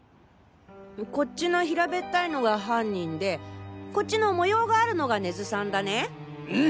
こっちの平べったいのが犯人でこっちの模様があるのが根津さんだね。